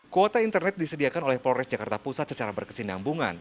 kuota internet disediakan oleh polres jakarta pusat secara berkesinambungan